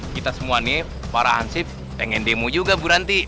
kita semua nih para hansif pengen demo juga bu ranti